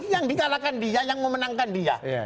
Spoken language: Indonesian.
yang di kalahkan dia yang memenangkan dia